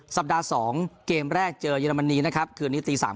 สัปดาห์๒เกมแรกเจอเยอรมนีนะครับคืนนี้ตี๓